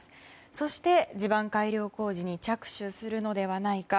そして地盤改良工事に着手するのではないか。